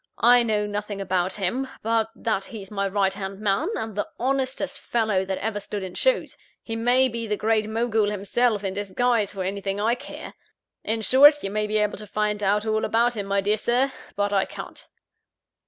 I know nothing about him, but that he's my right hand man, and the honestest fellow that ever stood in shoes. He may be the Great Mogul himself, in disguise, for anything I care! In short, you may be able to find out all about him, my dear Sir; but I can't."